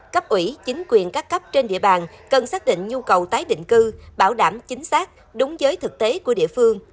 cấp ủy chính quyền các cấp trên địa bàn cần xác định nhu cầu tái định cư bảo đảm chính xác đúng giới thực tế của địa phương